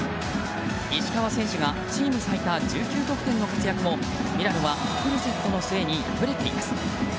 石川選手がチーム最多１９得点の活躍もミラノはフルセットの末に敗れています。